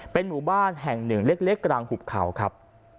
เป็นหมู่บ้านแห่งหนึ่งเล็กกลางหุบเขาครับ